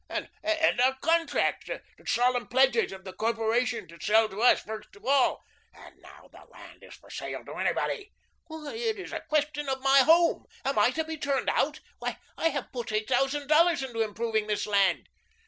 "And our contracts, the solemn pledges of the corporation to sell to us first of all " "And now the land is for sale to anybody." "Why, it is a question of my home. Am I to be turned out? Why, I have put eight thousand dollars into improving this land."